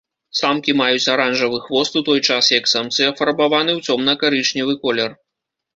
Самкі маюць аранжавы хвост, у той час як самцы афарбаваны ў цёмна-карычневы колер.